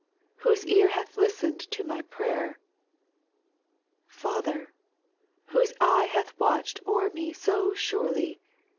whose ear hath listened to my prayer, Father ! whose eye hath watched o'er me so surely.